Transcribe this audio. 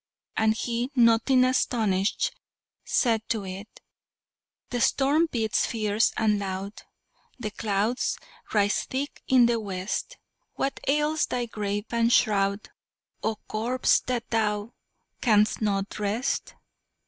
And he, nothing astonished, said to it: "The storm beats fierce and loud, The clouds rise thick in the west; What ails thy grave and shroud, Oh corpse! that thou canst not rest?"